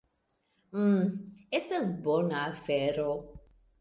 "Mmm, estas bona afero."